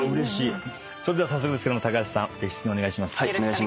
それでは早速ですけども高橋さん別室にお願いします。